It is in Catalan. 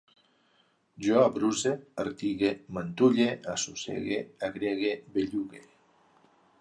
Jo abruse, artigue, m'antulle, assossegue, agregue, bellugue